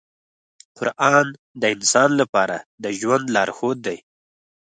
قرآن د انسان لپاره د ژوند لارښود دی.